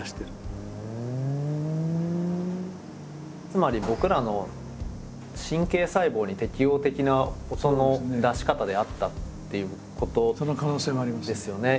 つまり僕らの神経細胞に適応的な音の出し方であったっていうこと。ですよね。